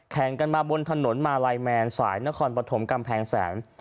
แข่งกันมาบนถนนมาลัยแมนสายนครปฐมกำแพงแสน